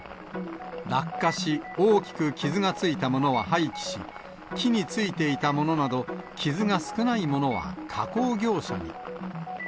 落下し、大きく傷がついたものは廃棄し、木についていたものなど、傷が少ないものは加工業者に。